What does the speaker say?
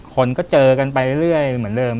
คนก็เจอกันไปเรื่อยเหมือนเดิม